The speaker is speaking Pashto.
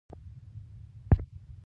ډېرې خبرې مو په کیسو پنډې کړې.